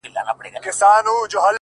ستا غمونه ستا دردونه زما بدن خوري !!